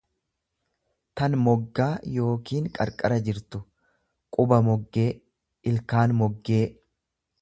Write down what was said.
tan moggaa yookiin qarqara jirtu; Quba moggee, ilkaan moggee.